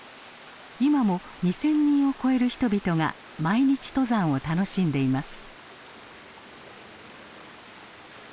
今も２，０００人を超える人々が毎日登山を楽しんでいます。